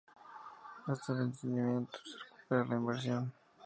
Hasta el vencimiento no se recupera la inversión.